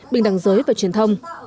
bình đẳng giới và truyền thông